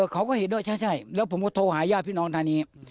เขาก็เห็นด้วยใช่แล้วผมก็โทรหาญาติพี่น้องทางนี้